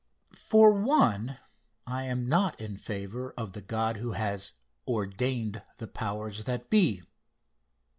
For one, I am not in favor of the God who has "ordained the powers that be."